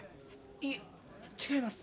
いえ違います。